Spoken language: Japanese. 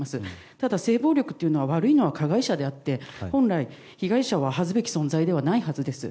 ただ、性暴力というのは悪いのは加害者であって本来、被害者は恥ずべき存在ではないはずです。